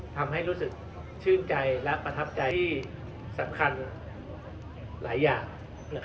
ทำให้รู้สึกชื่นใจและประทับใจที่สำคัญหลายอย่าง